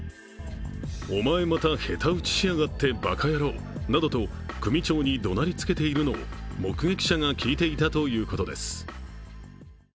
お前またヘタ打ちしやがって、ばかやろうなどと組長に怒鳴りつけているのを目撃者が聞いていたということです。